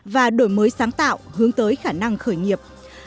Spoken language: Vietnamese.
và đổi mới sáng tạo hướng tới khả năng khởi nghiệp